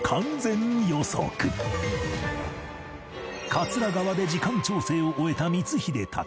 桂川で時間調整を終えた光秀たち